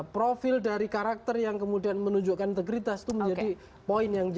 profil dari karakter yang kemudian menunjukkan integritas itu menjadi poin yang jauh